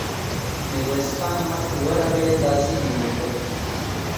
ميرويس خان مخکې ورغی، تعظيم يې وکړ.